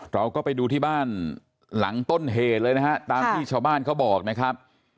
เราก็ไปดูที่บ้านหลังต้นเหตุเลยนะฮะตามที่ชาวบ้านเขาบอกนะครับ